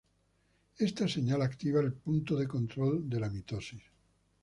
Esta señal activa el punto de control de la mitosis.